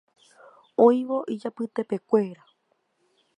Oĩvo ijapytekuéra